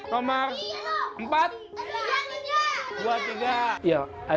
nomor empat dua tiga